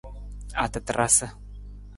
Atatarasa.